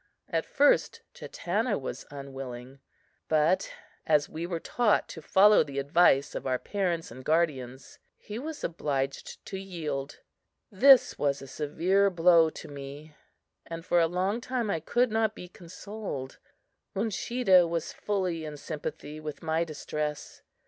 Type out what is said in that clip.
At first Chatanna was unwilling, but as we were taught to follow the advice of our parents and guardians, he was obliged to yield. This was a severe blow to me, and for a long time I could not be consoled. Uncheedah was fully in sympathy with my distress.